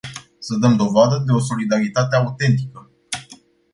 Să dăm dovadă de o solidaritate autentică.